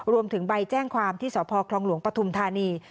รวมถึงใบแจ้งความที่สพคลองหลวงปฐุมธานี